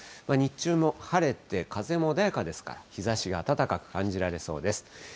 日中も晴れて、風も穏やかですから、日ざしが暖かく感じられそうです。